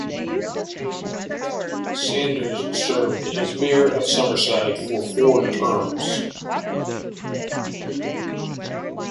Saunders served as mayor of Summerside for four terms.